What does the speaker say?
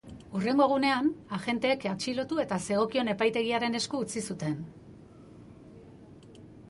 Hurrengo egunean, agenteek atxilotu eta zegokion epaitegiaren esku utzi zuten.